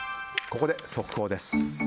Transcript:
ここで速報です。